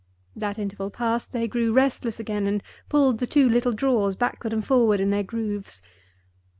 That interval passed, they grew restless again, and pulled the two little drawers backward and forward in their grooves.